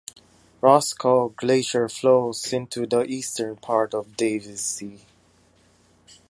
Roscoe Glacier flows into the eastern part of Davis Sea.